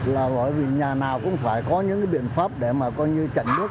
là bởi vì nhà nào cũng phải có những biện pháp để mà coi như trành nước